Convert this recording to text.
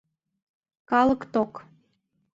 Калык ток.